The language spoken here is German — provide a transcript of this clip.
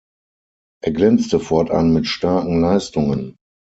Er glänzte fortan mit starken Leistungen.